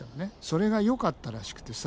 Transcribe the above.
それがよかったらしくてさ。